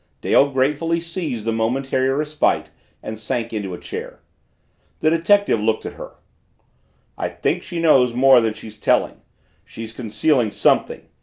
Dale gratefully seized the momentary respite and sank into a chair. The detective looked at her. "I think she knows more than she's telling. She's concealing something!"